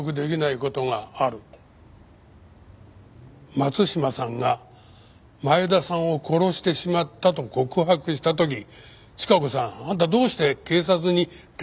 松島さんが前田さんを殺してしまったと告白した時チカ子さんあんたどうして警察に連絡をしなかったんです？